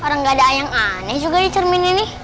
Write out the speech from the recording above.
orang gada yang aneh juga di cermin ini